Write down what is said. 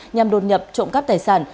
nhằm đột nhập trộm cắp tài sản